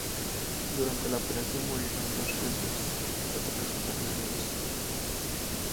Durante la operación murieron dos rangers, cuatro resultaron heridos.